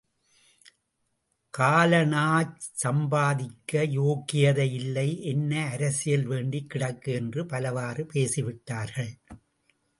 காலணாசம்பாதிக்க யோக்யதை இல்லை, என்ன அரசியல் வேண்டிக் கிடக்கு? என்று பலவாறு பேசி விட்டார்கள்.